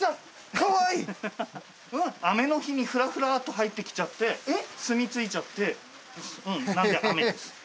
雨の日にふらふらっと入ってきちゃって住み着いちゃってなんでアメです。